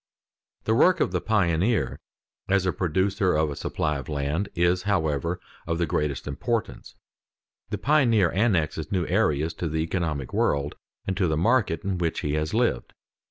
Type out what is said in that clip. [Sidenote: And by the work of pioneers] The work of the pioneer, as a producer of a supply of land, is, however, of the greatest importance. The pioneer annexes new areas to the economic world and to the market in which he has lived.